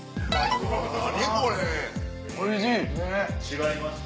違います？